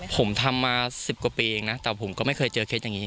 ผมทำมา๑๐กว่าปีเองนะแต่ผมก็ไม่เคยเจอเคสอย่างนี้